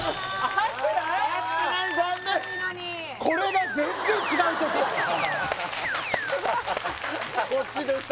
合ってない残念こっちでした